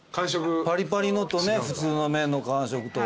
パリパリのとね普通の麺の感触と。